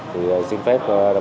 thì xin phép